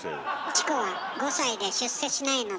チコは５歳で出世しないので。